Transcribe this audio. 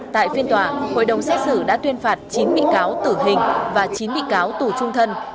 tại phiên tòa hội đồng xét xử đã tuyên phạt chín bị cáo tử hình và chín bị cáo tù trung thân